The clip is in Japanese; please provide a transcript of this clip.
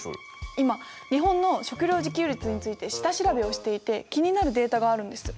今日本の食料自給率について下調べをしていて気になるデータがあるんです。